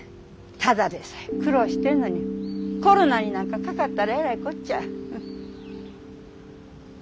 ただでさえ苦労してんのにコロナになんかかかったらえらいこっちゃ。